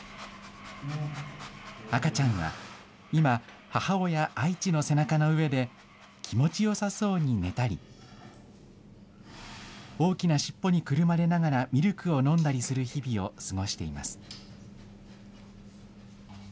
赤ちゃんは今、母親、アイチの背中の上で、気持ちよさそうに寝たり、大きなしっぽにくるまれながらミルクを飲んだりする日々を過ごしています。